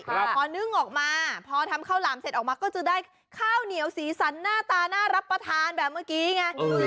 พอนึ่งออกมาพอทำข้าวหลามเสร็จออกมาก็จะได้ข้าวเหนียวสีสันหน้าตาน่ารับประทานแบบเมื่อกี้ไง